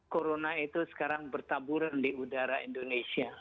corona itu sekarang bertaburan di udara indonesia